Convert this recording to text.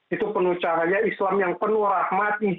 itu penuh cahaya islam yang penuh rahmat